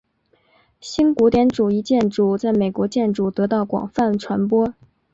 新古典主义建筑在美国建筑得到广泛传播。